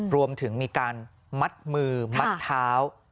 รวมถึงมีการมัดมือมัดเท้า